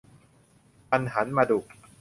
มันหันมาดุ